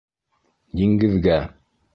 Диңгеҙгә!